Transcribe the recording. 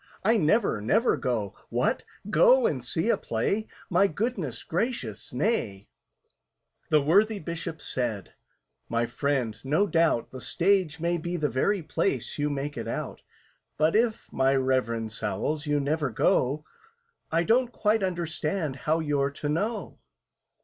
I never, never go! What! Go and see a play? My goodness gracious, nay!" The worthy Bishop said, "My friend, no doubt The Stage may be the place you make it out; But if, my REVEREND SOWLS, you never go, I don't quite understand how you're to know."